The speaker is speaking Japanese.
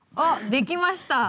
できました。